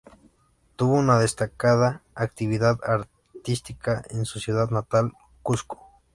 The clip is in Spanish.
Tuvo una destacada actividad artística en su ciudad natal, Cuzco.